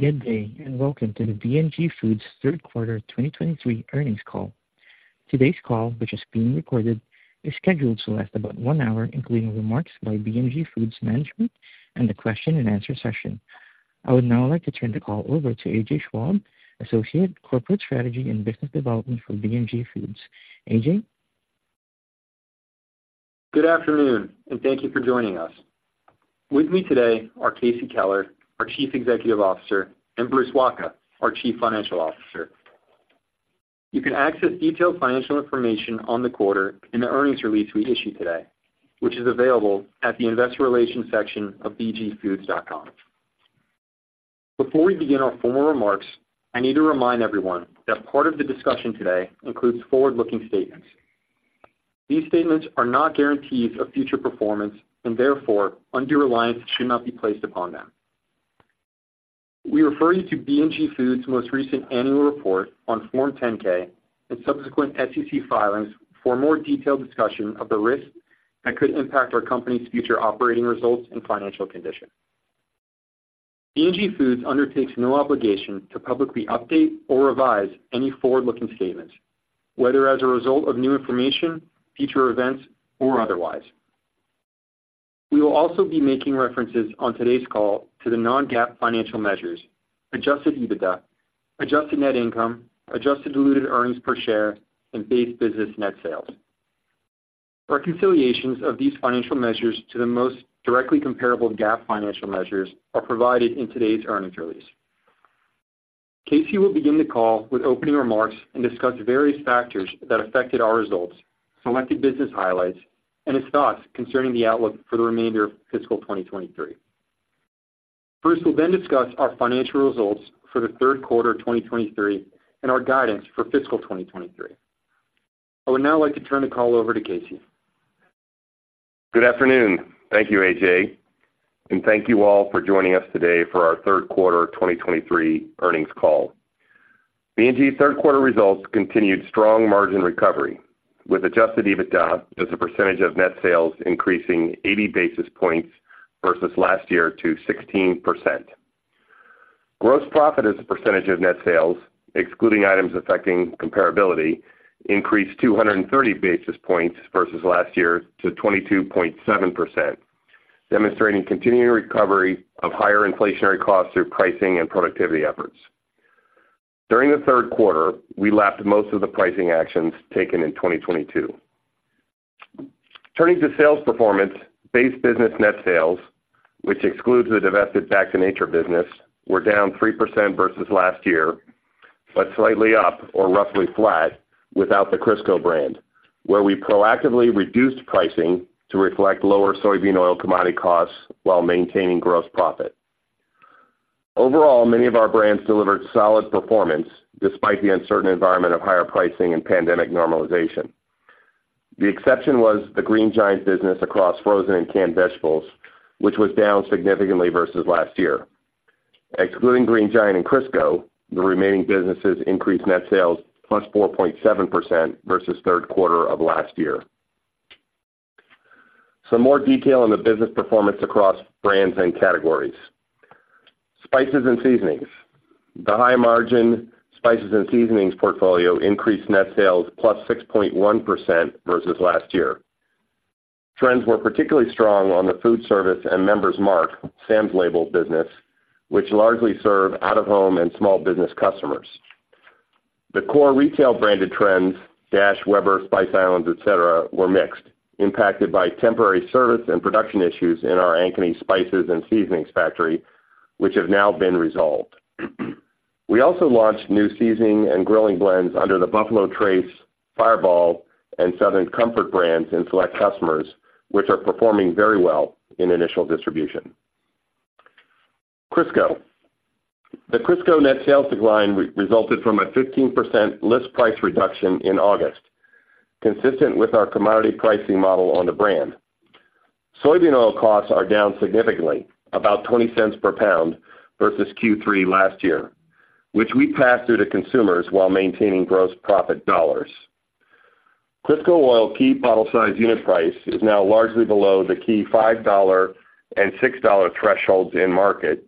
Good day, and welcome to the B&G Foods Third Quarter 2023 Earnings Call. Today's call, which is being recorded, is scheduled to last about one hour, including remarks by B&G Foods management and a question and answer session. I would now like to turn the call over to AJ Schwab, Associate Corporate Strategy and Business Development for B&G Foods. AJ? Good afternoon, and thank you for joining us. With me today are Casey Keller, our Chief Executive Officer, and Bruce Wacha, our Chief Financial Officer. You can access detailed financial information on the quarter in the earnings release we issued today, which is available at the investor relations section of bgfoods.com. Before we begin our formal remarks, I need to remind everyone that part of the discussion today includes forward-looking statements. These statements are not guarantees of future performance and therefore, undue reliance should not be placed upon them. We refer you to B&G Foods' most recent annual report on Form 10-K and subsequent SEC filings for a more detailed discussion of the risks that could impact our company's future operating results and financial condition. B&G Foods undertakes no obligation to publicly update or revise any forward-looking statements, whether as a result of new information, future events, or otherwise. We will also be making references on today's call to the non-GAAP financial measures, adjusted EBITDA, adjusted net income, adjusted diluted earnings per share and base business net sales. Reconciliations of these financial measures to the most directly comparable GAAP financial measures are provided in today's earnings release. Casey will begin the call with opening remarks and discuss various factors that affected our results, selected business highlights, and his thoughts concerning the outlook for the remainder of fiscal 2023. Bruce will then discuss our financial results for the third quarter of 2023 and our guidance for fiscal 2023. I would now like to turn the call over to Casey. Good afternoon. Thank you, AJ, and thank you all for joining us today for our third quarter 2023 earnings call. B&G's third quarter results continued strong margin recovery, with Adjusted EBITDA as a percentage of net sales increasing 80 basis points versus last year to 16%. Gross profit as a percentage of net sales, excluding items affecting comparability, increased 230 basis points versus last year to 22.7%, demonstrating continuing recovery of higher inflationary costs through pricing and productivity efforts. During the third quarter, we lapped most of the pricing actions taken in 2022. Turning to sales performance, Base Business Net Sales, which excludes the divested Back to Nature business, were down 3% versus last year, but slightly up or roughly flat without the Crisco brand, where we proactively reduced pricing to reflect lower soybean oil commodity costs while maintaining gross profit. Overall, many of our brands delivered solid performance, despite the uncertain environment of higher pricing and pandemic normalization. The exception was the Green Giant business across frozen and canned vegetables, which was down significantly versus last year. Excluding Green Giant and Crisco, the remaining businesses increased net sales +4.7% versus third quarter of last year. Some more detail on the business performance across brands and categories. Spices and Seasonings. The high-margin spices and seasonings portfolio increased net sales +6.1% versus last year. Trends were particularly strong on the food service and Member's Mark, Sam's label business, which largely serve out-of-home and small business customers. The core retail branded trends, Dash, Weber, Spice Islands, et cetera, were mixed, impacted by temporary service and production issues in our Ankeny Spices and Seasonings factory, which have now been resolved. We also launched new seasoning and grilling blends under the Buffalo Trace, Fireball, and Southern Comfort brands in select customers, which are performing very well in initial distribution. Crisco. The Crisco net sales decline resulted from a 15% list price reduction in August, consistent with our commodity pricing model on the brand. Soybean oil costs are down significantly, about $0.20 per pound versus Q3 last year, which we passed through to consumers while maintaining gross profit dollars. Crisco oil key bottle size unit price is now largely below the key $5 and $6 thresholds in market,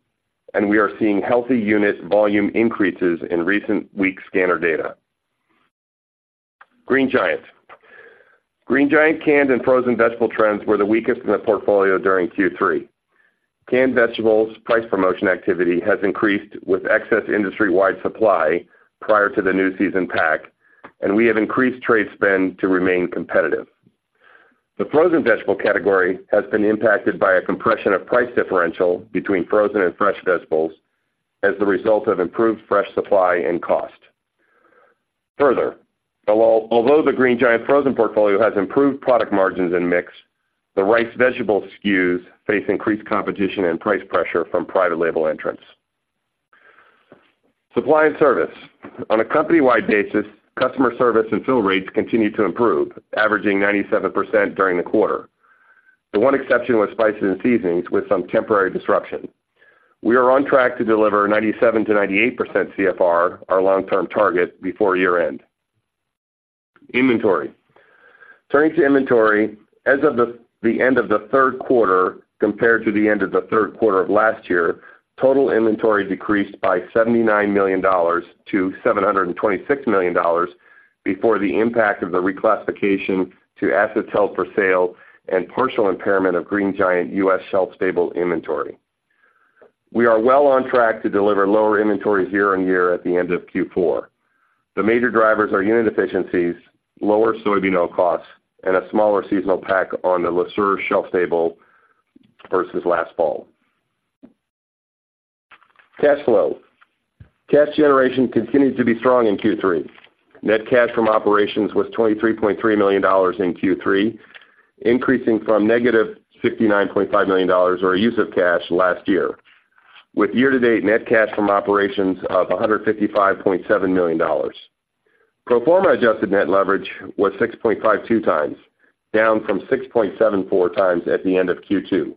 and we are seeing healthy unit volume increases in recent week scanner data. Green Giant. Green Giant canned and frozen vegetable trends were the weakest in the portfolio during Q3. Canned vegetables price promotion activity has increased with excess industry-wide supply prior to the new season pack, and we have increased trade spend to remain competitive. The frozen vegetable category has been impacted by a compression of price differential between frozen and fresh vegetables as the result of improved fresh supply and cost. Further, although the Green Giant frozen portfolio has improved product margins and mix, the rice vegetable SKUs face increased competition and price pressure from private label entrants. Supply and service. On a company-wide basis, customer service and fill rates continue to improve, averaging 97% during the quarter. The one exception was spices and seasonings, with some temporary disruption. We are on track to deliver 97%-98% CFR, our long-term target, before year-end. Inventory. Turning to inventory, as of the end of the third quarter compared to the end of the third quarter of last year, total inventory decreased by $79 million to $726 million, before the impact of the reclassification to assets held for sale and partial impairment of Green Giant US shelf-stable inventory. We are well on track to deliver lower inventories year-on-year at the end of Q4. The major drivers are unit efficiencies, lower soybean oil costs, and a smaller seasonal pack on the Le Sueur shelf stable versus last fall. Cash flow. Cash generation continued to be strong in Q3. Net cash from operations was $23.3 million in Q3, increasing from negative $69.5 million, or a use of cash, last year, with year-to-date net cash from operations of $155.7 million. Pro forma adjusted net leverage was 6.52x, down from 6.74x at the end of Q2.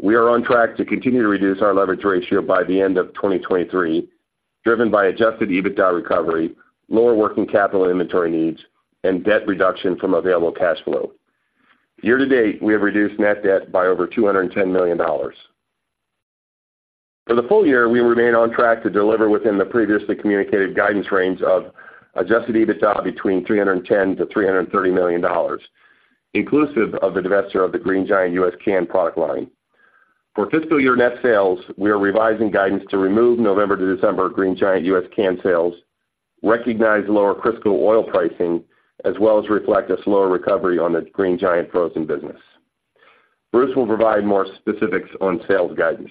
We are on track to continue to reduce our leverage ratio by the end of 2023, driven by adjusted EBITDA recovery, lower working capital inventory needs, and debt reduction from available cash flow. Year to date, we have reduced net debt by over $210 million. For the full year, we remain on track to deliver within the previously communicated guidance range of Adjusted EBITDA between $310 million to $330 million, inclusive of the divestiture of the Green Giant U.S. canned product line. For fiscal year net sales, we are revising guidance to remove November to December Green Giant U.S. canned sales, recognize lower Crisco oil pricing, as well as reflect a slower recovery on the Green Giant frozen business. Bruce will provide more specifics on sales guidance.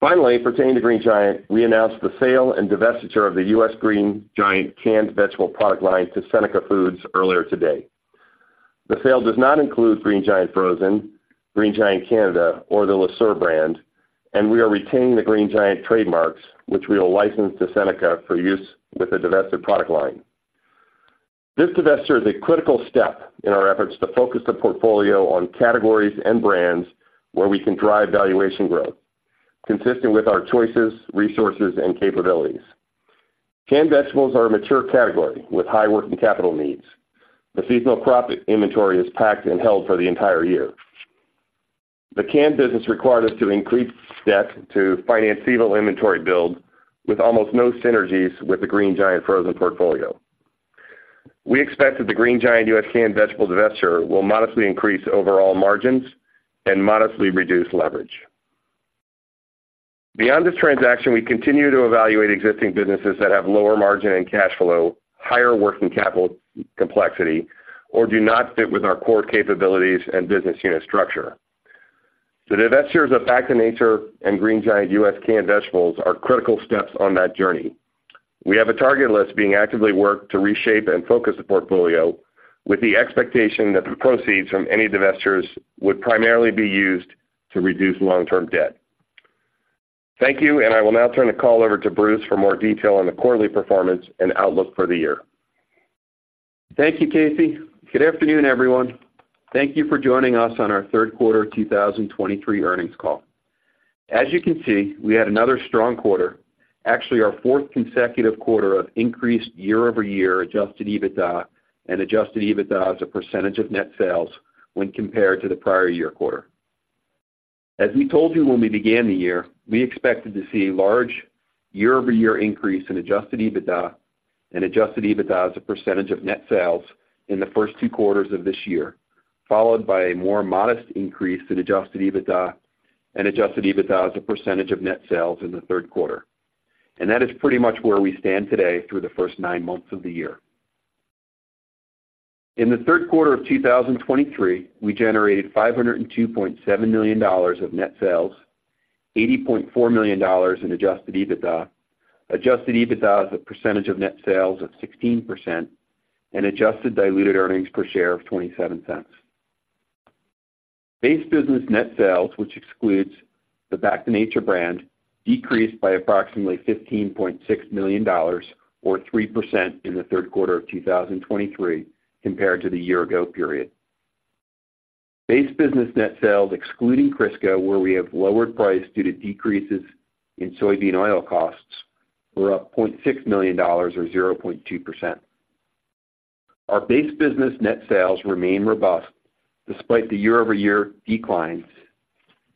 Finally, pertaining to Green Giant, we announced the sale and divestiture of the U.S. Green Giant canned vegetable product line to Seneca Foods earlier today. The sale does not include Green Giant Frozen, Green Giant Canada, or the Le Sueur brand, and we are retaining the Green Giant trademarks, which we will license to Seneca for use with the divested product line. This divestiture is a critical step in our efforts to focus the portfolio on categories and brands where we can drive valuation growth, consistent with our choices, resources, and capabilities. Canned vegetables are a mature category with high working capital needs. The seasonal crop inventory is packed and held for the entire year. The canned business required us to increase debt to finance seasonal inventory build with almost no synergies with the Green Giant frozen portfolio. We expect that the Green Giant U.S. canned vegetable divestiture will modestly increase overall margins and modestly reduce leverage. Beyond this transaction, we continue to evaluate existing businesses that have lower margin and cash flow, higher working capital complexity, or do not fit with our core capabilities and business unit structure. The divestitures of Back to Nature and Green Giant U.S. canned vegetables are critical steps on that journey. We have a target list being actively worked to reshape and focus the portfolio, with the expectation that the proceeds from any divestitures would primarily be used to reduce long-term debt. Thank you, and I will now turn the call over to Bruce for more detail on the quarterly performance and outlook for the year. Thank you, Casey. Good afternoon, everyone. Thank you for joining us on our third quarter 2023 earnings call. As you can see, we had another strong quarter, actually our fourth consecutive quarter of increased year-over-year adjusted EBITDA and adjusted EBITDA as a percentage of net sales when compared to the prior year quarter. As we told you when we began the year, we expected to see a large year-over-year increase in adjusted EBITDA and adjusted EBITDA as a percentage of net sales in the first two quarters of this year, followed by a more modest increase in adjusted EBITDA and adjusted EBITDA as a percentage of net sales in the third quarter. That is pretty much where we stand today through the first nine months of the year. In the third quarter of 2023, we generated $502.7 million of net sales, $80.4 million in adjusted EBITDA, adjusted EBITDA as a percentage of net sales of 16%, and adjusted diluted earnings per share of $0.27. Base business net sales, which excludes the Back to Nature brand, decreased by approximately $15.6 million, or 3% in the third quarter of 2023 compared to the year ago period. Base business net sales, excluding Crisco, where we have lowered price due to decreases in soybean oil costs, were up $0.6 million, or 0.2%. Our base business net sales remain robust despite the year-over-year declines,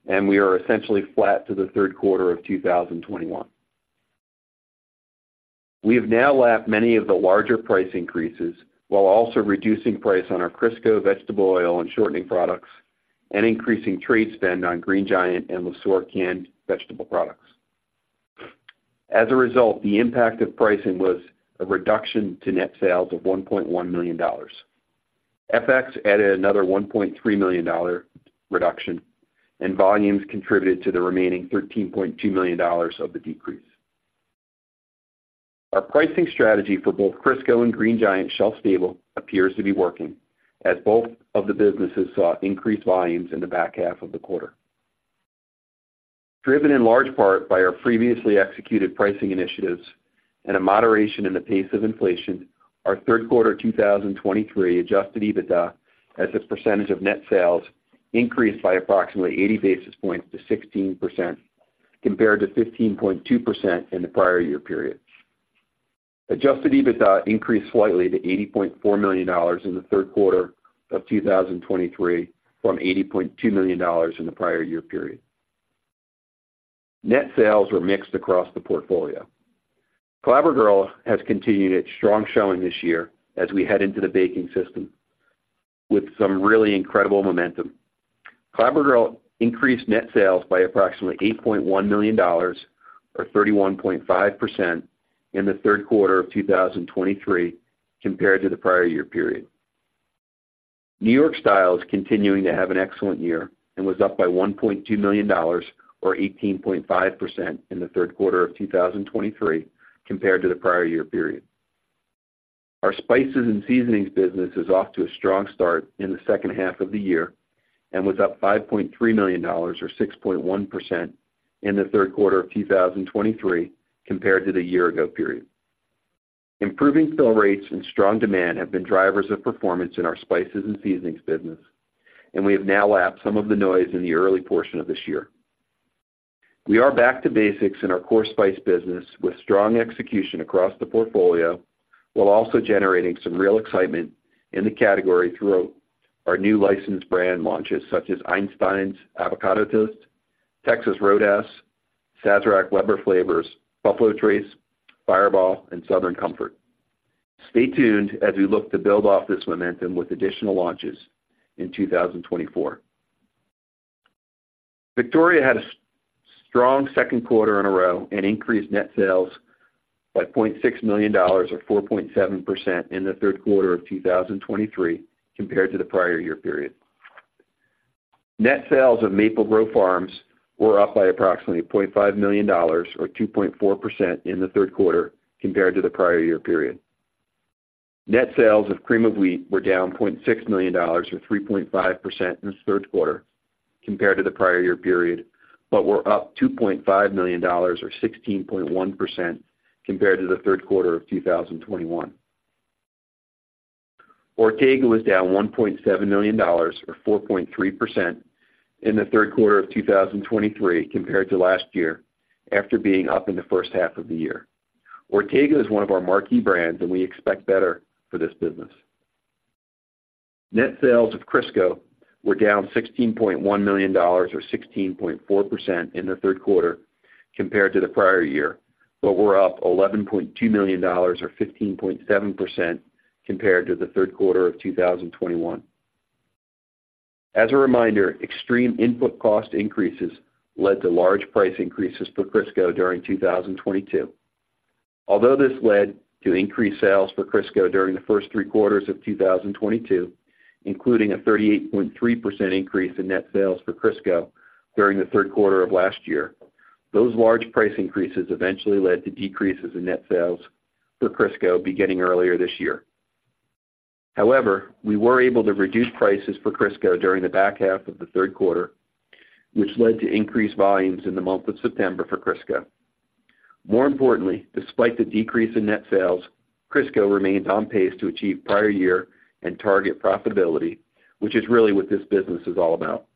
and we are essentially flat to the third quarter of 2021. We have now lapped many of the larger price increases while also reducing price on our Crisco vegetable oil and shortening products and increasing trade spend on Green Giant and Le Sueur canned vegetable products. As a result, the impact of pricing was a reduction to net sales of $1.1 million. FX added another $1.3 million dollar reduction, and volumes contributed to the remaining $13.2 million dollars of the decrease. Our pricing strategy for both Crisco and Green Giant shelf stable appears to be working, as both of the businesses saw increased volumes in the back half of the quarter. Driven in large part by our previously executed pricing initiatives and a moderation in the pace of inflation, our third quarter 2023 Adjusted EBITDA as a percentage of net sales increased by approximately 80 basis points to 16% compared to 15.2% in the prior year period. Adjusted EBITDA increased slightly to $80.4 million in the third quarter of 2023, from $80.2 million in the prior year period. Net sales were mixed across the portfolio. Clabber Girl has continued its strong showing this year as we head into the baking season, with some really incredible momentum. Clabber Girl increased net sales by approximately $8.1 million, or 31.5%, in the third quarter of 2023 compared to the prior year period. New York Style is continuing to have an excellent year and was up by $1.2 million, or 18.5%, in the third quarter of 2023 compared to the prior year period. Our Spices and Seasonings business is off to a strong start in the second half of the year and was up $5.3 million, or 6.1%, in the third quarter of 2023 compared to the year ago period. Improving sell rates and strong demand have been drivers of performance in our Spices and Seasonings business, and we have now lapped some of the noise in the early portion of this year. We are back to basics in our core spice business, with strong execution across the portfolio, while also generating some real excitement in the category throughout our new licensed brand launches, such as Einstein's Avocado Toast, Texas Roadhouse, Sazerac, Weber Flavors, Buffalo Trace, Fireball, and Southern Comfort. Stay tuned as we look to build off this momentum with additional launches in 2024. Victoria had a strong second quarter in a row and increased net sales by $0.6 million, or 4.7%, in the third quarter of 2023 compared to the prior year period. Net sales of Maple Grove Farms were up by approximately $0.5 million, or 2.4%, in the third quarter compared to the prior year period. Net sales of Cream of Wheat were down $0.6 million, or 3.5%, in the third quarter compared to the prior year period, but were up $2.5 million, or 16.1%, compared to the third quarter of 2021. Ortega was down $1.7 million, or 4.3%, in the third quarter of 2023 compared to last year, after being up in the first half of the year. Ortega is one of our marquee brands, and we expect better for this business. Net sales of Crisco were down $16.1 million, or 16.4%, in the third quarter compared to the prior year, but were up $11.2 million, or 15.7%, compared to the third quarter of 2021. As a reminder, extreme input cost increases led to large price increases for Crisco during 2022. Although this led to increased sales for Crisco during the first three quarters of 2022, including a 38.3% increase in net sales for Crisco during the third quarter of last year, those large price increases eventually led to decreases in net sales for Crisco beginning earlier this year. However, we were able to reduce prices for Crisco during the back half of the third quarter, which led to increased volumes in the month of September for Crisco. More importantly, despite the decrease in net sales, Crisco remains on pace to achieve prior year and target profitability, which is really what this business is all about.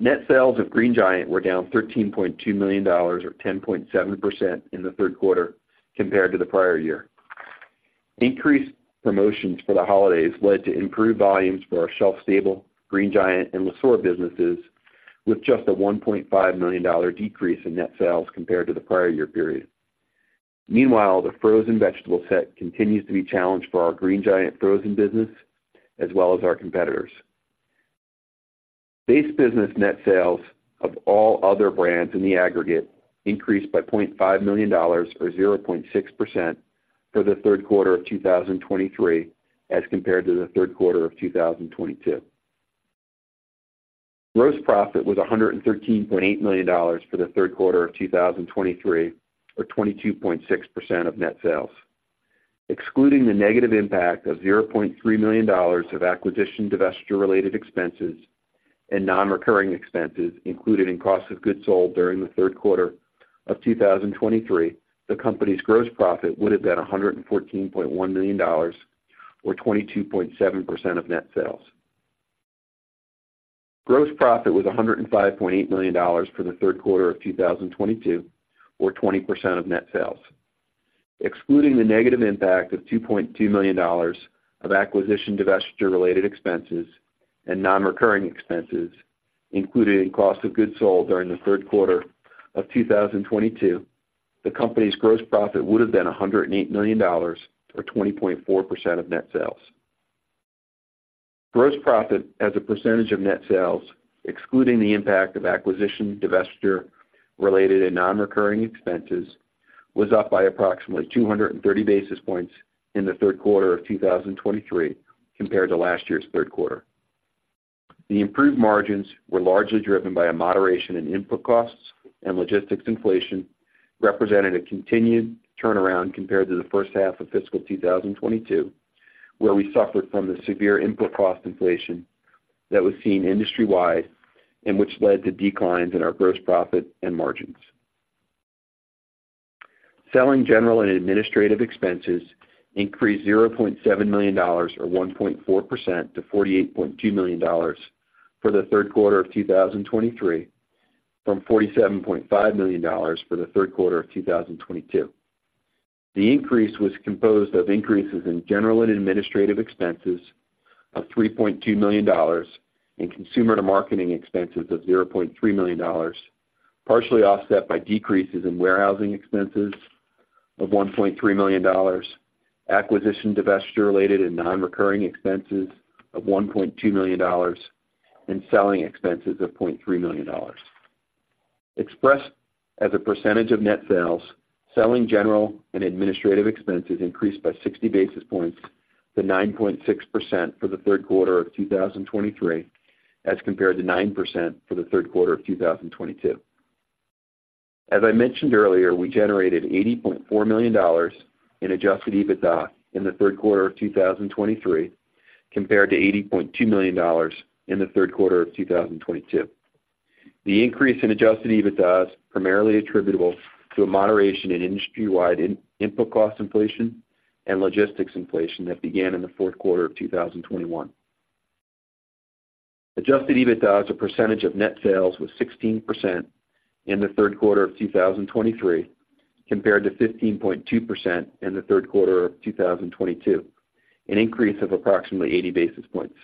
Net sales of Green Giant were down $13.2 million, or 10.7%, in the third quarter compared to the prior year. Increased promotions for the holidays led to improved volumes for our shelf-stable Green Giant and Le Sueur businesses, with just a $1.5 million decrease in net sales compared to the prior year period. Meanwhile, the frozen vegetable set continues to be challenged for our Green Giant frozen business as well as our competitors. Base business net sales of all other brands in the aggregate increased by $0.5 million, or 0.6%, for the third quarter of 2023 as compared to the third quarter of 2022. Gross profit was $113.8 million for the third quarter of 2023, or 22.6% of net sales. Excluding the negative impact of $0.3 million of acquisition divestiture-related expenses and non-recurring expenses included in cost of goods sold during the third quarter of 2023, the company's gross profit would have been $114.1 million, or 22.7% of net sales. Gross profit was $105.8 million for the third quarter of 2022, or 20% of net sales. Excluding the negative impact of $2.2 million of acquisition divestiture-related expenses and non-recurring expenses included in cost of goods sold during the third quarter of 2022, the company's gross profit would have been $108 million, or 20.4% of net sales. Gross profit as a percentage of net sales, excluding the impact of acquisition, divestiture-related and non-recurring expenses, was up by approximately 230 basis points in the third quarter of 2023 compared to last year's third quarter. The improved margins were largely driven by a moderation in input costs and logistics inflation, representing a continued turnaround compared to the first half of fiscal 2022, where we suffered from the severe input cost inflation that was seen industry-wide and which led to declines in our gross profit and margins. Selling, general, and administrative expenses increased $0.7 million, or 1.4%, to $48.2 million for the third quarter of 2023, from $47.5 million for the third quarter of 2022. The increase was composed of increases in general and administrative expenses of $3.2 million and consumer to marketing expenses of $0.3 million, partially offset by decreases in warehousing expenses of $1.3 million, acquisition, divestiture related and non-recurring expenses of $1.2 million, and selling expenses of $0.3 million. Expressed as a percentage of net sales, selling general and administrative expenses increased by 60 basis points to 9.6% for the third quarter of 2023, as compared to 9% for the third quarter of 2022. As I mentioned earlier, we generated $80.4 million in Adjusted EBITDA in the third quarter of 2023, compared to $80.2 million in the third quarter of 2022. The increase in adjusted EBITDA is primarily attributable to a moderation in industry-wide in-input cost inflation and logistics inflation that began in the fourth quarter of 2021. Adjusted EBITDA as a percentage of net sales was 16% in the third quarter of 2023, compared to 15.2% in the third quarter of 2022, an increase of approximately 80 basis points.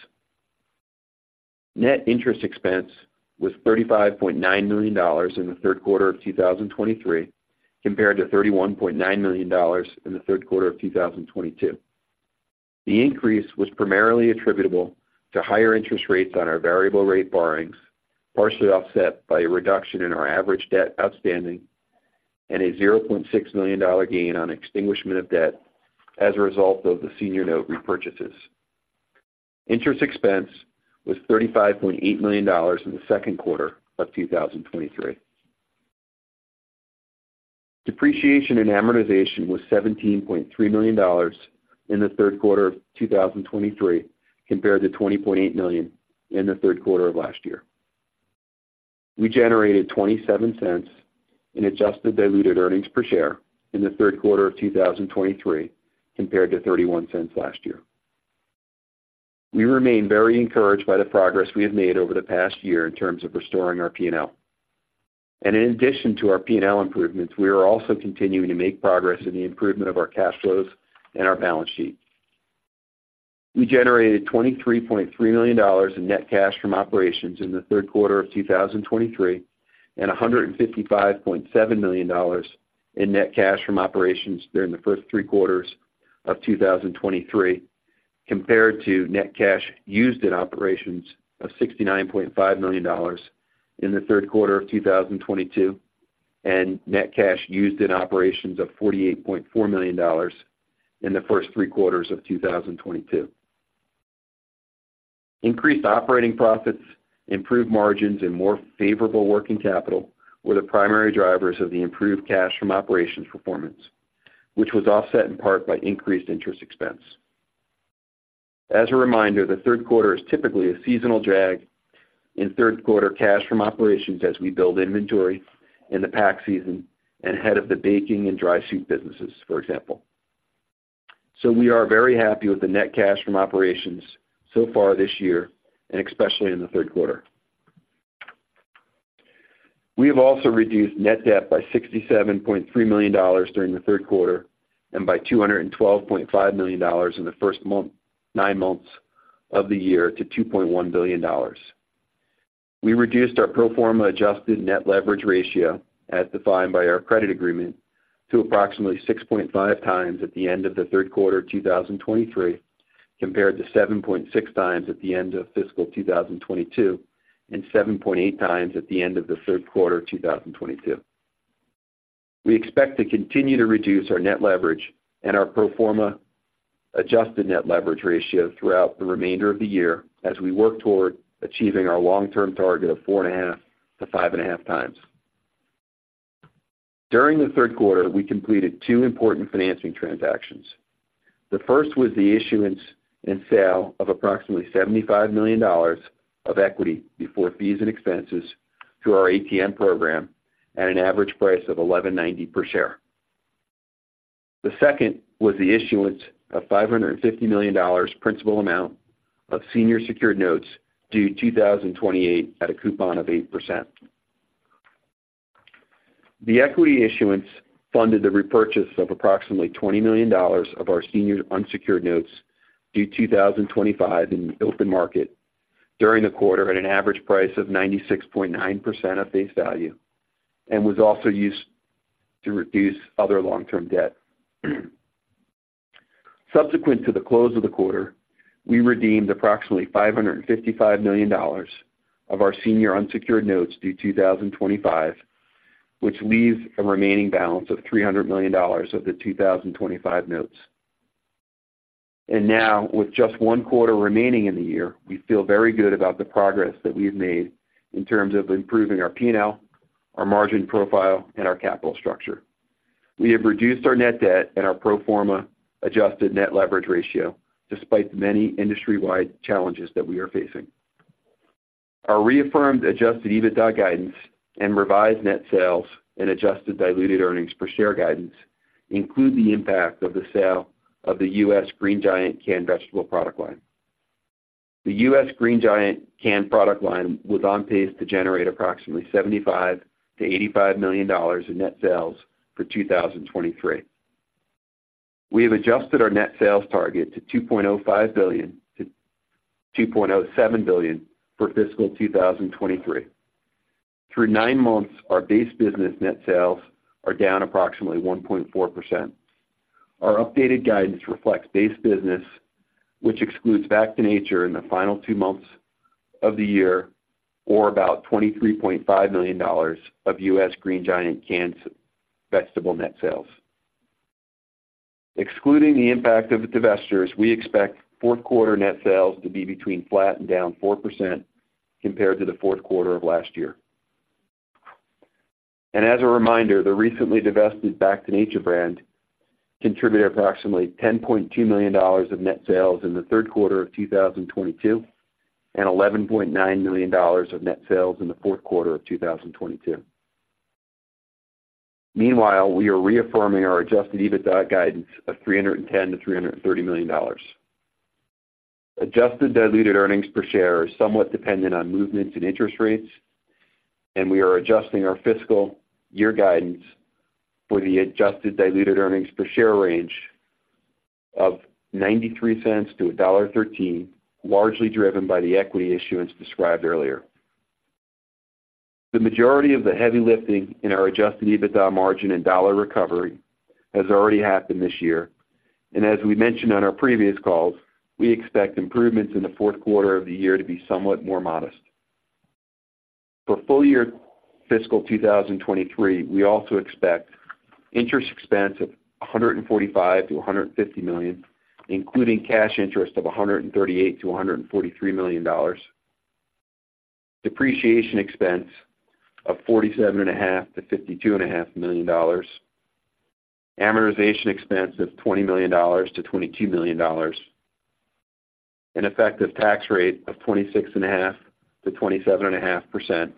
Net interest expense was $35.9 million in the third quarter of 2023, compared to $31.9 million in the third quarter of 2022. The increase was primarily attributable to higher interest rates on our variable rate borrowings, partially offset by a reduction in our average debt outstanding and a $0.6 million gain on extinguishment of debt as a result of the senior note repurchases. Interest expense was $35.8 million in the second quarter of 2023. Depreciation and amortization was $17.3 million in the third quarter of 2023, compared to $20.8 million in the third quarter of last year. We generated $0.27 in adjusted diluted earnings per share in the third quarter of 2023, compared to $0.31 last year. We remain very encouraged by the progress we have made over the past year in terms of restoring our P&L. In addition to our P&L improvements, we are also continuing to make progress in the improvement of our cash flows and our balance sheet. We generated $23.3 million in net cash from operations in the third quarter of 2023, and $155.7 million in net cash from operations during the first three quarters of 2023, compared to net cash used in operations of $69.5 million in the third quarter of 2022, and net cash used in operations of $48.4 million in the first three quarters of 2022. Increased operating profits, improved margins and more favorable working capital were the primary drivers of the improved cash from operations performance, which was offset in part by increased interest expense. As a reminder, the third quarter is typically a seasonal drag in third quarter cash from operations as we build inventory in the pack season and ahead of the baking and dry soup businesses, for example. So we are very happy with the net cash from operations so far this year, and especially in the third quarter. We have also reduced net debt by $67.3 million during the third quarter and by $212.5 million in the first nine months of the year to $2.1 billion. We reduced our pro forma adjusted net leverage ratio, as defined by our credit agreement, to approximately 6.5 times at the end of the third quarter of 2023, compared to 7.6 times at the end of fiscal 2022, and 7.8 times at the end of the third quarter of 2022. We expect to continue to reduce our net leverage and our pro forma adjusted net leverage ratio throughout the remainder of the year as we work toward achieving our long-term target of 4.5-5.5 times. During the third quarter, we completed two important financing transactions. The first was the issuance and sale of approximately $75 million of equity before fees and expenses through our ATM program at an average price of $11.90 per share. The second was the issuance of $550 million principal amount of senior secured notes due 2028 at a coupon of 8%. The equity issuance funded the repurchase of approximately $20 million of our senior unsecured notes due 2025 in the open market during the quarter, at an average price of 96.9% of face value, and was also used to reduce other long-term debt. Subsequent to the close of the quarter, we redeemed approximately $555 million of our senior unsecured notes due 2025, which leaves a remaining balance of $300 million of the 2025 notes. And now, with just one quarter remaining in the year, we feel very good about the progress that we've made in terms of improving our P&L, our margin profile, and our capital structure. We have reduced our net debt and our pro forma adjusted net leverage ratio, despite the many industry-wide challenges that we are facing. Our reaffirmed adjusted EBITDA guidance and revised net sales and adjusted diluted earnings per share guidance include the impact of the sale of the US Green Giant canned vegetable product line. The US Green Giant canned product line was on pace to generate approximately $75 million-$85 million in net sales for 2023. We have adjusted our net sales target to $2.05 billion-$2.07 billion for fiscal 2023. Through nine months, our base business net sales are down approximately 1.4%. Our updated guidance reflects base business, which excludes Back to Nature in the final two months of the year, or about $23.5 million of U.S. Green Giant canned vegetable net sales. Excluding the impact of the divestitures, we expect fourth quarter net sales to be between flat and down 4% compared to the fourth quarter of last year. As a reminder, the recently divested Back to Nature brand contributed approximately $10.2 million of net sales in the third quarter of 2022, and $11.9 million of net sales in the fourth quarter of 2022. Meanwhile, we are reaffirming our Adjusted EBITDA guidance of $310 million-$330 million. Adjusted diluted earnings per share is somewhat dependent on movements in interest rates, and we are adjusting our fiscal year guidance for the adjusted diluted earnings per share range of $0.93-$1.13, largely driven by the equity issuance described earlier. The majority of the heavy lifting in our Adjusted EBITDA margin and dollar recovery has already happened this year. As we mentioned on our previous calls, we expect improvements in the fourth quarter of the year to be somewhat more modest. For full year fiscal 2023, we also expect interest expense of $145 million-$150 million, including cash interest of $138 million-$143 million, depreciation expense of $47.5 million-$52.5 million, amortization expense of $20 million-$22 million, an effective tax rate of 26.5%-27.5%,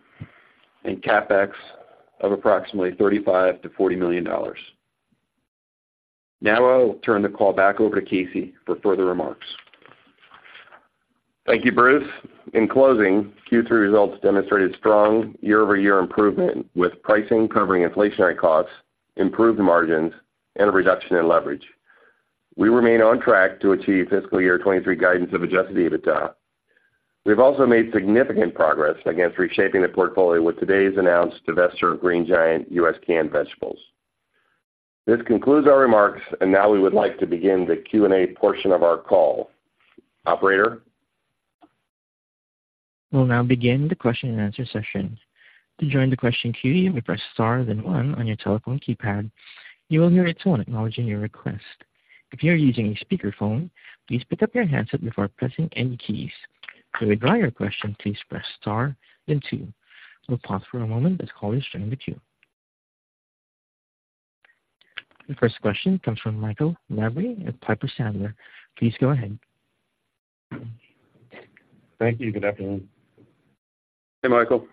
and CapEx of approximately $35 million-$40 million. Now I will turn the call back over to Casey for further remarks. Thank you, Bruce. In closing, Q3 results demonstrated strong year-over-year improvement, with pricing covering inflationary costs, improved margins, and a reduction in leverage. We remain on track to achieve fiscal year 2023 guidance of adjusted EBITDA. We've also made significant progress against reshaping the portfolio with today's announced divestiture of Green Giant U.S. canned vegetables. This concludes our remarks, and now we would like to begin the Q&A portion of our call. Operator? We'll now begin the question and answer session. To join the question queue, you may press Star, then one on your telephone keypad. You will hear a tone acknowledging your request. If you are using a speakerphone, please pick up your handset before pressing any keys. To withdraw your question, please press Star, then two. We'll pause for a moment as callers join the queue. The first question comes from Michael Lavery at Piper Sandler. Please go ahead. Thank you. Good afternoon. Hey, Michael.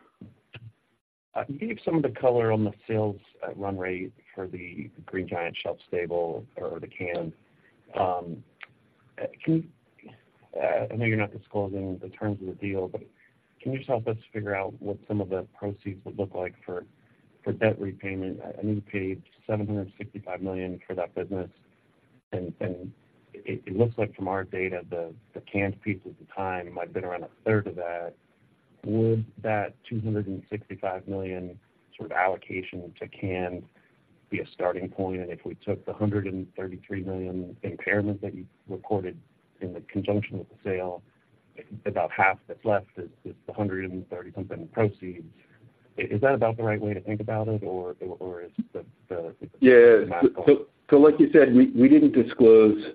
Can you give some of the color on the sales at run rate for the Green Giant shelf stable or the canned? I know you're not disclosing the terms of the deal, but can you just help us figure out what some of the proceeds would look like for debt repayment? I know you paid $765 million for that business, and it looks like from our data, the canned piece at the time might have been around a third of that. Would that $265 million sort of allocation to canned be a starting point? And if we took the $133 million impairment that you recorded in conjunction with the sale, about half that's left is the 130 [something] proceeds. Is that about the right way to think about it, or is the- Yeah. So like you said, we didn't disclose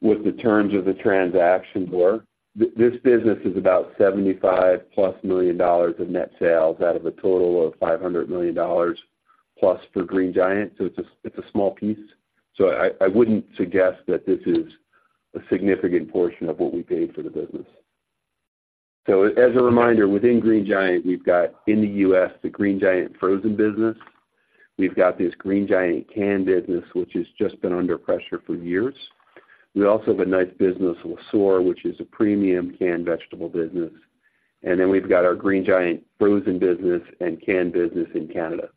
what the terms of the transaction were. This business is about $75+ million of net sales out of a total of $500+ million for Green Giant. So it's a small piece, so I wouldn't suggest that this is a significant portion of what we paid for the business. So as a reminder, within Green Giant, we've got in the U.S., the Green Giant frozen business. We've got this Green Giant canned business, which has just been under pressure for years. We also have a nice business, Le Sueur, which is a premium canned vegetable business. And then we've got our Green Giant frozen business and canned business in Canada.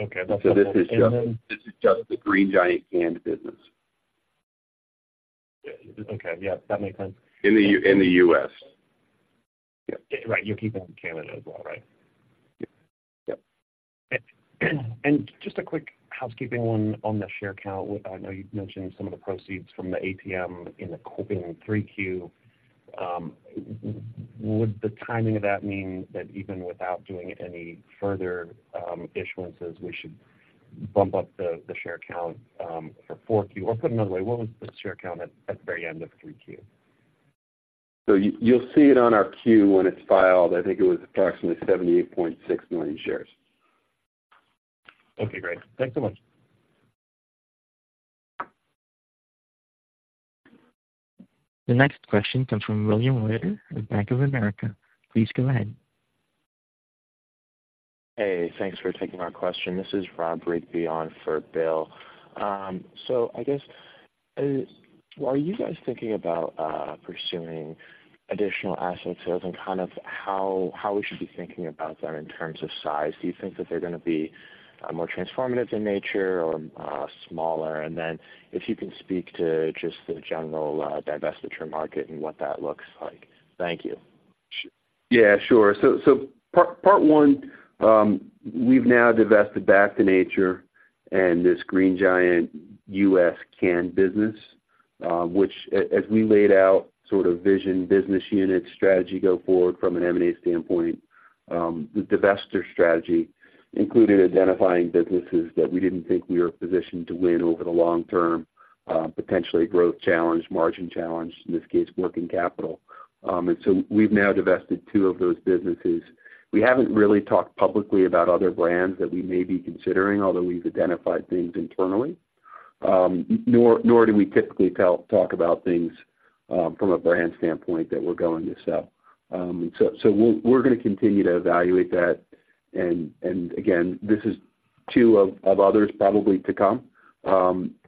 Okay, that's- This is just, this is just the Green Giant canned business. Okay. Yeah, that makes sense. In the U.S. Yeah. Right. You're keeping Canada as well, right? Yep. Just a quick housekeeping one on the share count. I know you've mentioned some of the proceeds from the ATM in the opening in 3Q. Would the timing of that mean that even without doing any further issuances, we should bump up the share count for four Q? Or put another way, what was the share count at the very end of 3Q? So you, you'll see it on our Q when it's filed. I think it was approximately 78.6 million shares. Okay, great. Thanks so much. The next question comes from William Whitt at Bank of America. Please go ahead. Hey, thanks for taking my question. This is Rob Rigby on for Bill. So I guess, are you guys thinking about pursuing additional asset sales and kind of how, how we should be thinking about that in terms of size? Do you think that they're gonna be more transformative in nature or smaller? And then if you can speak to just the general divestiture market and what that looks like. Thank you. Yeah, sure. So part one, we've now divested Back to Nature and this Green Giant US canned business, which as we laid out, sort of vision, business unit strategy go forward from an M&A standpoint, the divested strategy included identifying businesses that we didn't think we were positioned to win over the long term, potentially growth challenged, margin challenged, in this case, working capital. And so we've now divested two of those businesses. We haven't really talked publicly about other brands that we may be considering, although we've identified things internally. Nor do we typically talk about things from a brand standpoint that we're going to sell. So we're gonna continue to evaluate that. And again, this is two of others, probably to come.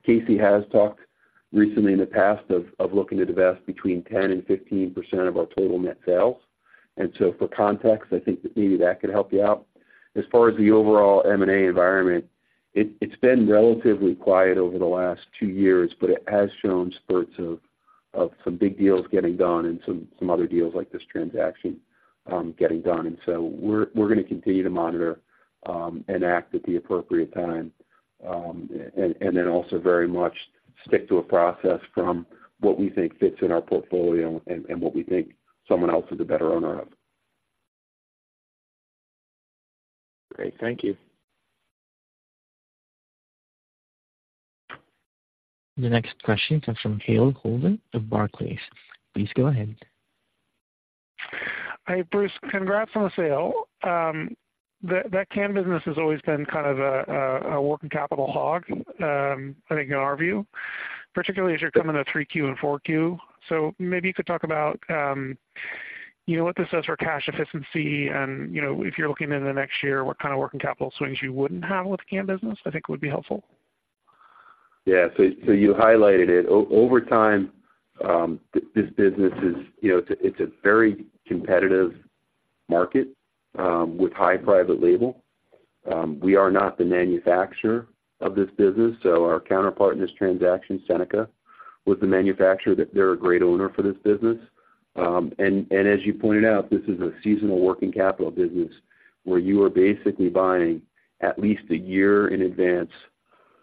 Casey has talked recently in the past of looking to divest between 10% and 15% of our total net sales. So for context, I think that maybe that could help you out. As far as the overall M&A environment, it's been relatively quiet over the last 2 years, but it has shown spurts of some big deals getting done and some other deals like this transaction getting done. So we're gonna continue to monitor and act at the appropriate time, and then also very much stick to a process from what we think fits in our portfolio and what we think someone else is a better owner of. Great. Thank you. The next question comes from Hale Holden of Barclays. Please go ahead. Hi, Bruce. Congrats on the sale. That canned business has always been kind of a working capital hog, I think in our view, particularly as you're coming to 3Q and 4Q. So maybe you could talk about, you know, what this does for cash efficiency and, you know, if you're looking into the next year, what kind of working capital swings you wouldn't have with the canned business, I think would be helpful. Yeah. So you highlighted it. Over time, this business is, you know, it's a very competitive market with high private label. We are not the manufacturer of this business, so our counterpart in this transaction, Seneca, was the manufacturer, that they're a great owner for this business. And as you pointed out, this is a seasonal working capital business where you are basically buying at least a year in advance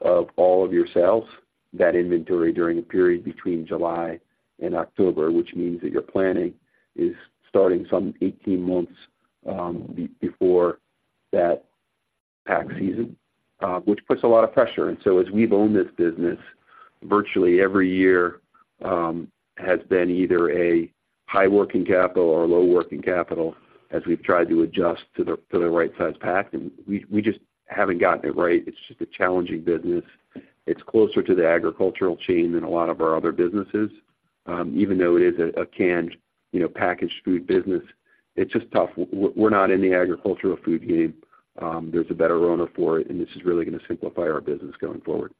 of all of your sales, that inventory during a period between July and October, which means that your planning is starting some 18 months before that pack season, which puts a lot of pressure. So as we've owned this business, virtually every year has been either a high working capital or low working capital as we've tried to adjust to the right size pack, and we just haven't gotten it right. It's just a challenging business. It's closer to the agricultural chain than a lot of our other businesses, even though it is a canned, you know, packaged food business, it's just tough. We're not in the agricultural food game. There's a better owner for it, and this is really gonna simplify our business going forward.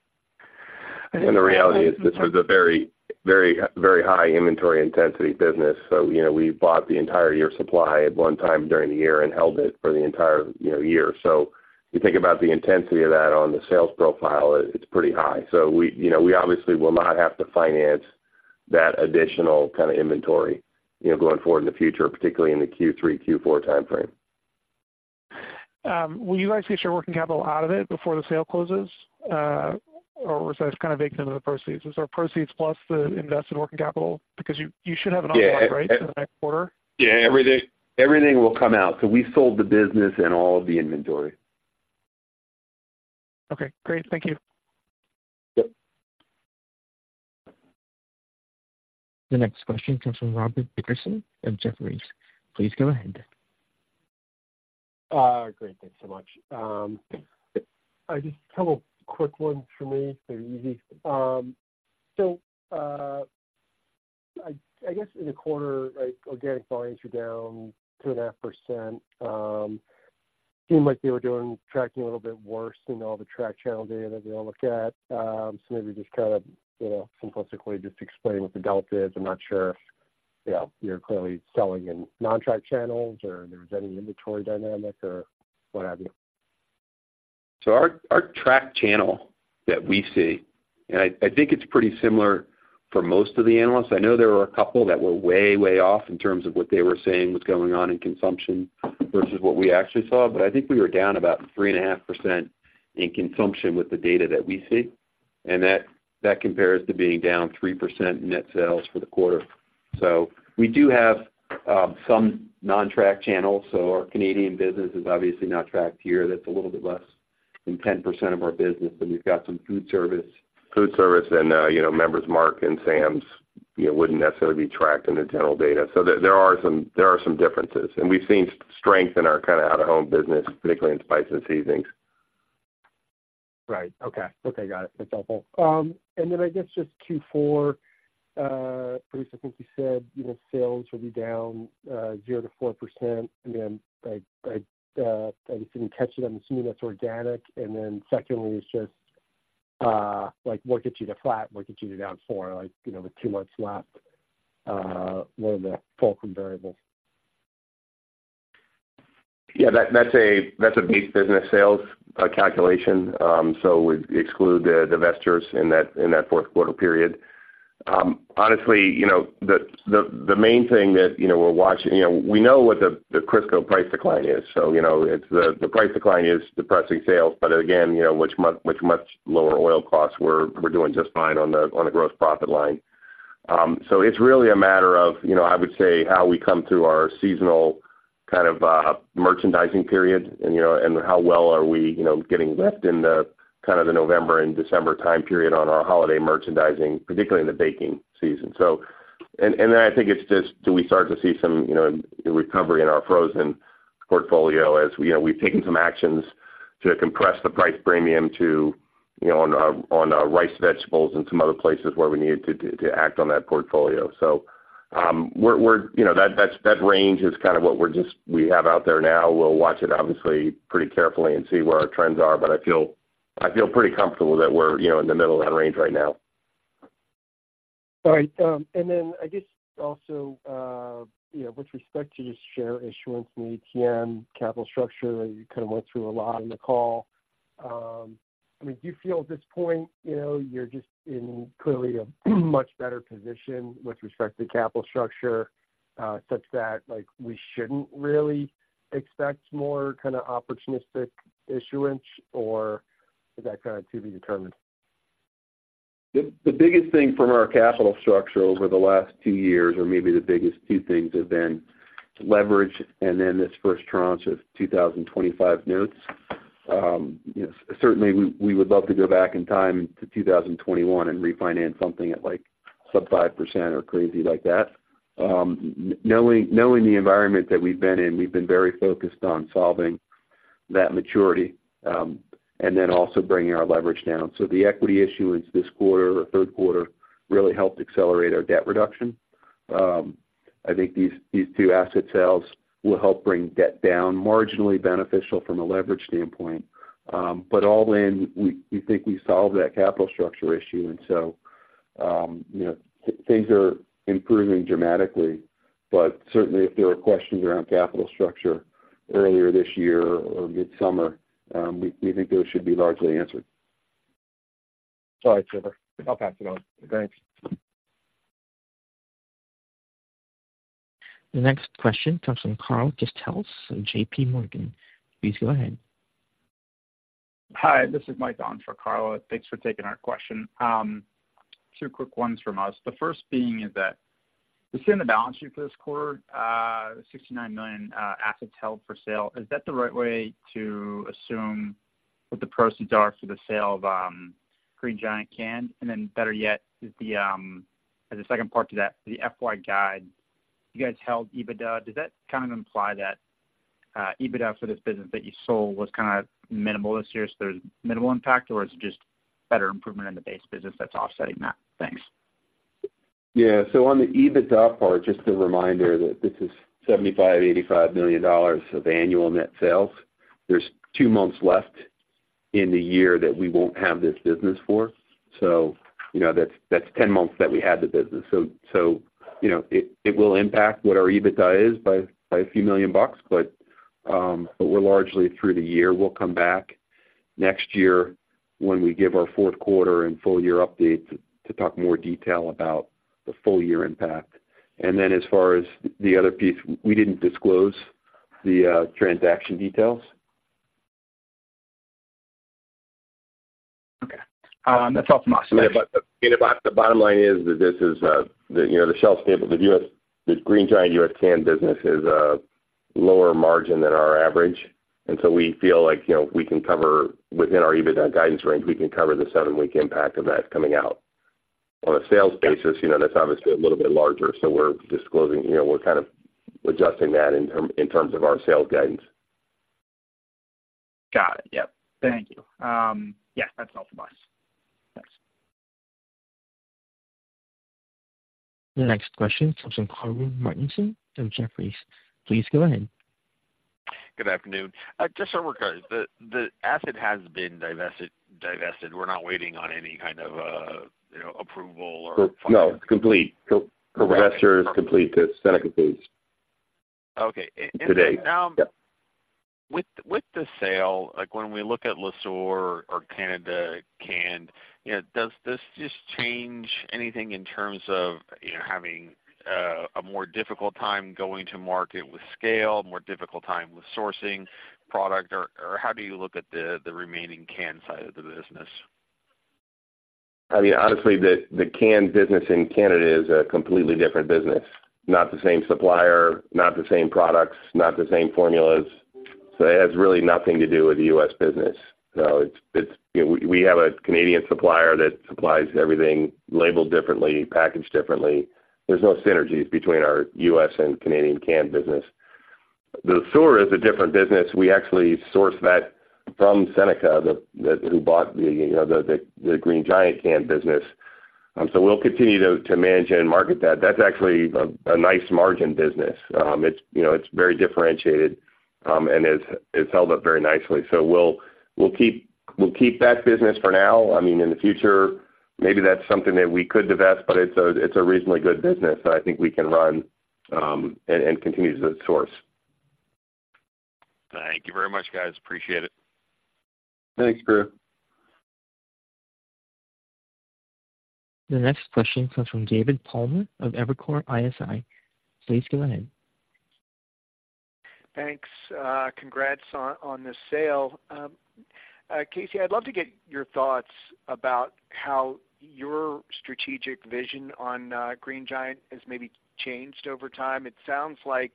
The reality is, this was a very, very, very high inventory intensity business. So, you know, we bought the entire year supply at one time during the year and held it for the entire, you know, year. So you think about the intensity of that on the sales profile, it's pretty high. So we, you know, we obviously will not have to finance that additional kind of inventory, you know, going forward in the future, particularly in the Q3, Q4 timeframe. Will you guys get your working capital out of it before the sale closes? Or is that kind of baked into the proceeds? Is there proceeds plus the invested working capital? Because you should have an outline, right, for the next quarter? Yeah. Everything, everything will come out. So we sold the business and all of the inventory. Okay, great. Thank you. Yep. The next question comes from Robert Dickerson of Jefferies. Please go ahead. Great. Thanks so much. I just have a quick one for me. Very easy. So, I guess in the quarter, like, organic volumes are down 2.5%. Seemed like they were doing tracking a little bit worse than all the track channel data that we all look at. So maybe just kind of, you know, simplistically just explain what the delta is. I'm not sure if, you know, you're clearly selling in non-track channels or there's any inventory dynamic or what have you. So our track channel that we see, and I think it's pretty similar for most of the analysts. I know there were a couple that were way, way off in terms of what they were saying was going on in consumption versus what we actually saw. But I think we were down about 3.5% in consumption with the data that we see, and that compares to being down 3% net sales for the quarter. So we do have some non-track channels. So our Canadian business is obviously not tracked here. That's a little bit less than 10% of our business, but we've got some food service. Food service and, you know, Members Mark and Sam's. You know, wouldn't necessarily be tracked in the general data. So there are some differences, and we've seen strength in our kind of out-of-home business, particularly in spice and seasonings. Right. Okay. Okay, got it. That's helpful. And then I guess just Q4, first, I think you said, you know, sales will be down 0%-4%. And then, I just didn't catch it. I'm assuming that's organic. And then secondly, it's just, like, what gets you to flat? What gets you to down 4, like, you know, with two months left, what are the fulcrum variables? Yeah, that's a base business sales calculation. So we exclude the divestitures in that fourth quarter period. Honestly, you know, the main thing that, you know, we're watching you know, we know what the Crisco price decline is. So, you know, it's the price decline is depressing sales, but again, you know, much, much lower oil costs, we're doing just fine on the gross profit line. So it's really a matter of, you know, I would say, how we come through our seasonal kind of merchandising period, and, you know, and how well are we, you know, getting lift in the kind of the November and December time period on our holiday merchandising, particularly in the baking season. So, then I think it's just, do we start to see some, you know, recovery in our frozen portfolio as, you know, we've taken some actions to compress the price premium to, you know, on rice, vegetables, and some other places where we needed to act on that portfolio. So, we're, you know, that range is kind of what we have out there now. We'll watch it, obviously, pretty carefully and see where our trends are, but I feel pretty comfortable that we're, you know, in the middle of that range right now. All right, and then I guess also, you know, with respect to just share issuance in the ATM capital structure, you kind of went through a lot on the call. I mean, do you feel at this point, you know, you're just in clearly a much better position with respect to capital structure, such that, like, we shouldn't really expect more kind of opportunistic issuance, or is that kind of to be determined? The biggest thing from our capital structure over the last two years, or maybe the biggest two things, have been leverage and then this first tranche of 2025 notes. Certainly, we would love to go back in time to 2021 and refinance something at, like, sub 5% or crazy like that. Knowing the environment that we've been in, we've been very focused on solving that maturity, and then also bringing our leverage down. So the equity issuance this quarter, or the third quarter, really helped accelerate our debt reduction. I think these two asset sales will help bring debt down, marginally beneficial from a leverage standpoint. But all in, we think we solved that capital structure issue, and so, you know, things are improving dramatically. But certainly, if there were questions around capital structure earlier this year or midsummer, we think those should be largely answered. All right, Trevor. I'll pass it on. Thanks. The next question comes from Carla Casella of JPMorgan. Please go ahead. Hi, this is Mike on for Carla. Thanks for taking our question. Two quick ones from us. The first being is that, we see in the balance sheet for this quarter, $69 million assets held for sale. Is that the right way to assume what the proceeds are for the sale of, Green Giant canned? And then better yet, as a second part to that, the FY guide, you guys held EBITDA. Does that kind of imply that, EBITDA for this business that you sold was kind of minimal this year, so there's minimal impact, or is it just better improvement in the base business that's offsetting that? Thanks. Yeah, so on the EBITDA part, just a reminder that this is $75 million-$85 million of annual net sales. There's two months left in the year that we won't have this business for. So you know, that's 10 months that we had the business. So you know, it will impact what our EBITDA is by a few million bucks, but but we're largely through the year. We'll come back next year when we give our fourth quarter and full year update to talk more detail about the full year impact. And then as far as the other piece, we didn't disclose the transaction details. Okay. That's all from us. But the EBITDA, the bottom line is that this is, you know, the shelf stable, the US - the Green Giant US Canned business is a lower margin than our average, and so we feel like, you know, we can cover within our EBITDA guidance range, we can cover the seven-week impact of that coming out. On a sales basis, you know, that's obviously a little bit larger, so we're disclosing, you know, we're kind of adjusting that in terms of our sales guidance. Got it. Yep. Thank you. Yeah, that's all from us. Thanks. The next question comes from Karru Martinson from Jefferies. Please go ahead. Good afternoon. Just so we're clear, the asset has been divested. We're not waiting on any kind of, you know, approval or- No, complete. Correct. Divestiture is complete. The sale is complete. Okay. Today. Yep. With the sale, like, when we look at Le Sueur or Canada canned, you know, does this just change anything in terms of, you know, having a more difficult time going to market with scale, more difficult time with sourcing product, or how do you look at the remaining canned side of the business? I mean, honestly, the canned business in Canada is a completely different business. Not the same supplier, not the same products, not the same formulas. So it has really nothing to do with the U.S. business. So it's, you know, we have a Canadian supplier that supplies everything labeled differently, packaged differently. There's no synergies between our U.S. and Canadian canned business. Le Sueur is a different business. We actually source that from Seneca, that who bought the Green Giant canned business. So we'll continue to manage and market that. That's actually a nice margin business. It's, you know, it's very differentiated, and it's held up very nicely. So we'll keep that business for now. I mean, in the future, maybe that's something that we could divest, but it's a reasonably good business that I think we can run, and continue to source. Thank you very much, guys. Appreciate it. Thanks, Karru. The next question comes from David Palmer of Evercore ISI. Please go ahead. Thanks. Congrats on the sale. Casey, I'd love to get your thoughts about how your strategic vision on Green Giant has maybe changed over time. It sounds like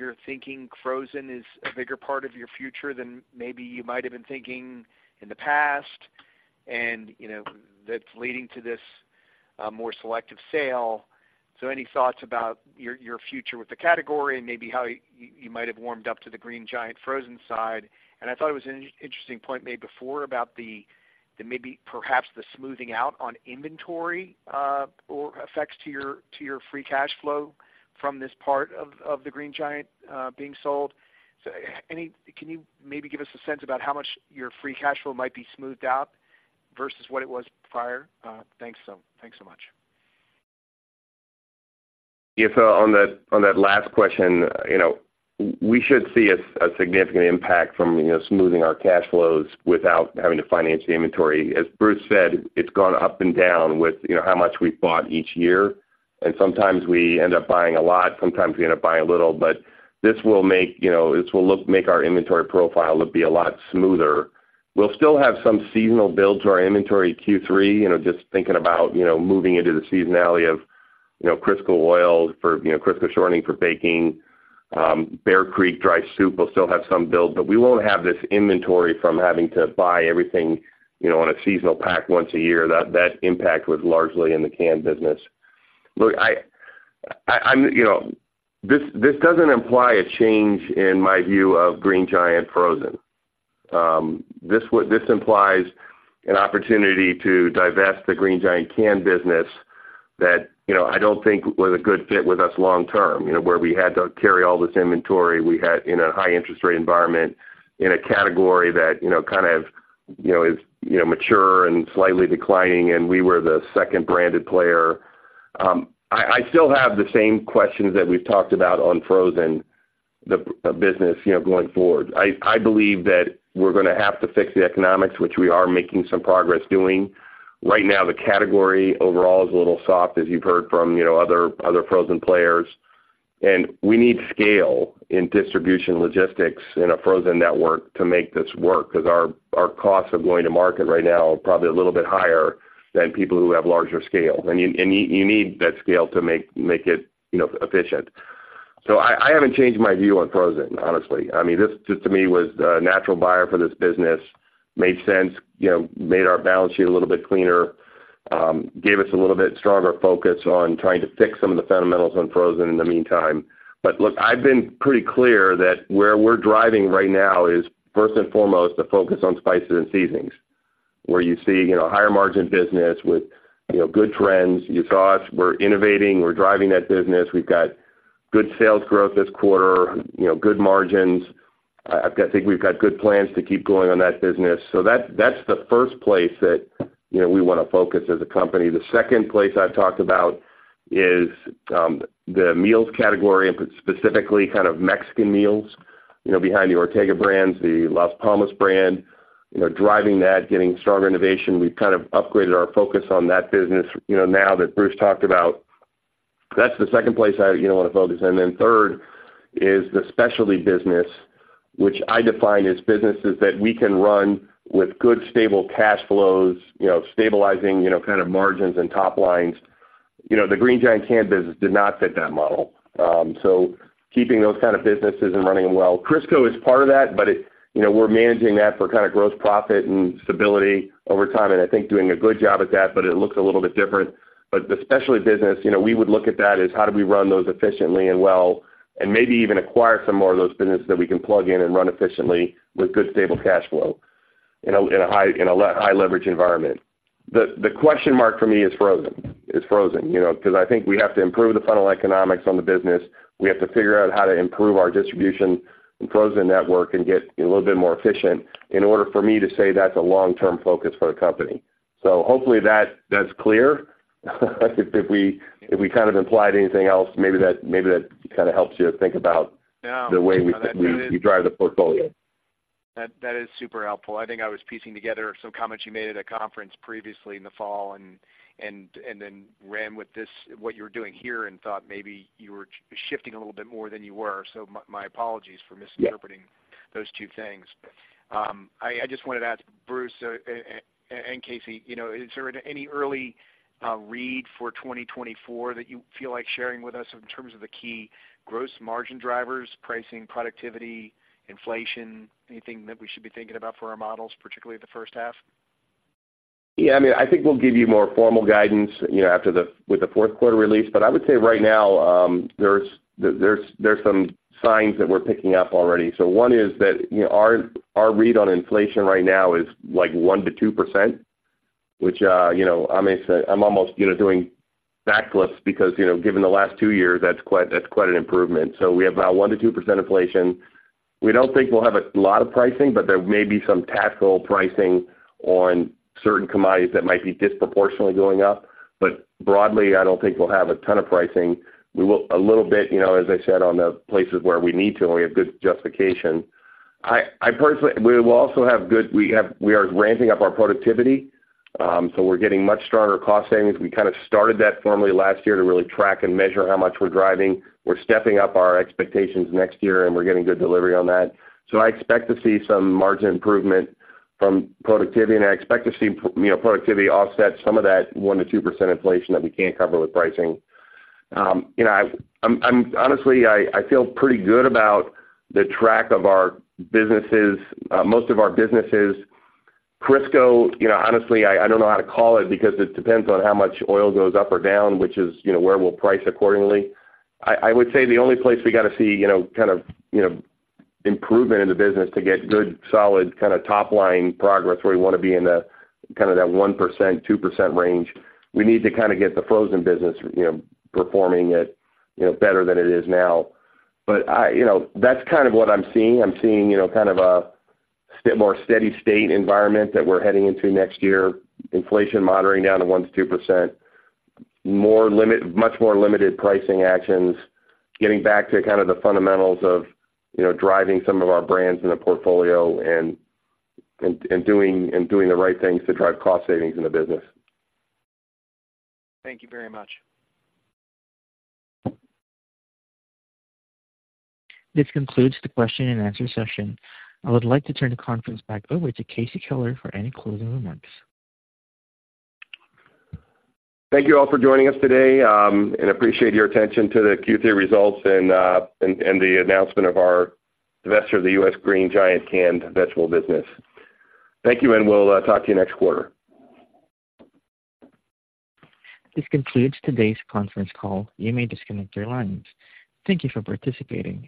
you're thinking frozen is a bigger part of your future than maybe you might have been thinking in the past, and, you know, that's leading to this more selective sale. So any thoughts about your future with the category and maybe how you might have warmed up to the Green Giant frozen side? And I thought it was an interesting point made before about the maybe perhaps the smoothing out on inventory or effects to your free cash flow from this part of the Green Giant being sold. Can you maybe give us a sense about how much your free cash flow might be smoothed out versus what it was prior? Thanks so much. Yeah, so on that, on that last question, you know, we should see a significant impact from, you know, smoothing our cash flows without having to finance the inventory. As Bruce said, it's gone up and down with, you know, how much we've bought each year, and sometimes we end up buying a lot, sometimes we end up buying a little. But this will make, you know, this will look, make our inventory profile look be a lot smoother. We'll still have some seasonal build to our inventory Q3, you know, just thinking about, you know, moving into the seasonality of, you know, Crisco oil for, you know, Crisco shortening for baking. Bear Creek dry soup will still have some build, but we won't have this inventory from having to buy everything, you know, on a seasonal pack once a year. That impact was largely in the canned business. Look, I'm, you know, this doesn't imply a change in my view of Green Giant frozen. This implies an opportunity to divest the Green Giant canned business that, you know, I don't think was a good fit with us long term, you know, where we had to carry all this inventory. We had in a high interest rate environment, in a category that, you know, kind of, you know, is, you know, mature and slightly declining, and we were the second branded player. I still have the same questions that we've talked about on frozen, the business, you know, going forward. I believe that we're gonna have to fix the economics, which we are making some progress doing. Right now, the category overall is a little soft, as you've heard from, you know, other frozen players. We need scale in distribution, logistics, and a frozen network to make this work, 'cause our costs of going to market right now are probably a little bit higher than people who have larger scale. You need that scale to make it, you know, efficient. So I haven't changed my view on frozen, honestly. I mean, this to me was a natural buyer for this business. Made sense, you know, made our balance sheet a little bit cleaner, gave us a little bit stronger focus on trying to fix some of the fundamentals on frozen in the meantime. But look, I've been pretty clear that where we're driving right now is, first and foremost, the focus on spices and seasonings, where you see, you know, higher margin business with, you know, good trends. You saw us, we're innovating, we're driving that business. We've got good sales growth this quarter, you know, good margins. I think we've got good plans to keep going on that business. So that's the first place that, you know, we wanna focus as a company. The second place I've talked about is, the meals category, and specifically kind of Mexican meals, you know, behind the Ortega brands, the Las Palmas brand. You know, driving that, getting stronger innovation. We've kind of upgraded our focus on that business, you know, now that Bruce talked about. That's the second place I, you know, wanna focus. And then third is the specialty business, which I define as businesses that we can run with good, stable cash flows, you know, stabilizing, you know, kind of margins and top lines. You know, the Green Giant canned business did not fit that model. Keeping those kind of businesses and running them well. Crisco is part of that, but it, you know, we're managing that for kind of gross profit and stability over time, and I think doing a good job at that, but it looks a little bit different. But the specialty business, you know, we would look at that as how do we run those efficiently and well, and maybe even acquire some more of those businesses that we can plug in and run efficiently with good, stable cash flow in a high-leverage environment. The question mark for me is frozen, is frozen. You know, because I think we have to improve the funnel economics on the business. We have to figure out how to improve our distribution in frozen network and get a little bit more efficient in order for me to say that's a long-term focus for the company. So hopefully that's clear. If we kind of implied anything else, maybe that kind of helps you think about- Yeah the way we drive the portfolio. That is super helpful. I think I was piecing together some comments you made at a conference previously in the fall and then ran with this, what you were doing here, and thought maybe you were shifting a little bit more than you were. So my apologies for misinterpreting Yeah Those two things. I just wanted to ask Bruce and Casey, you know, is there any early read for 2024 that you feel like sharing with us in terms of the key gross margin drivers, pricing, productivity, inflation, anything that we should be thinking about for our models, particularly the first half? ..Yeah, I mean, I think we'll give you more formal guidance, you know, after the, with the fourth quarter release. But I would say right now, there's some signs that we're picking up already. So one is that, you know, our read on inflation right now is like 1%-2%, which, you know, I may say I'm almost, you know, doing backflips because, you know, given the last two years, that's quite an improvement. So we have about 1%-2% inflation. We don't think we'll have a lot of pricing, but there may be some tactical pricing on certain commodities that might be disproportionately going up. But broadly, I don't think we'll have a ton of pricing. We will a little bit, you know, as I said, on the places where we need to, and we have good justification. I personally, we will also have good, we have, we are ramping up our productivity, so we're getting much stronger cost savings. We kind of started that formally last year to really track and measure how much we're driving. We're stepping up our expectations next year, and we're getting good delivery on that. So I expect to see some margin improvement from productivity, and I expect to see, you know, productivity offset some of that 1%-2% inflation that we can't cover with pricing. You know, I'm honestly, I feel pretty good about the track of our businesses, most of our businesses. Crisco, you know, honestly, I, I don't know how to call it because it depends on how much oil goes up or down, which is, you know, where we'll price accordingly. I, I would say the only place we got to see, you know, kind of, you know, improvement in the business to get good, solid, kind of top-line progress, where we want to be in the kind of that 1%-2% range. We need to kind of get the frozen business, you know, performing at, you know, better than it is now. But I, you know, that's kind of what I'm seeing. I'm seeing, you know, kind of a still more steady state environment that we're heading into next year. Inflation moderating down to 1%-2%, much more limited pricing actions, getting back to kind of the fundamentals of, you know, driving some of our brands in the portfolio and doing the right things to drive cost savings in the business. Thank you very much. This concludes the question and answer session. I would like to turn the conference back over to Casey Keller for any closing remarks. Thank you all for joining us today, and appreciate your attention to the Q3 results and the announcement of our divestiture of the U.S. Green Giant canned vegetable business. Thank you, and we'll talk to you next quarter. This concludes today's conference call. You may disconnect your lines. Thank you for participating.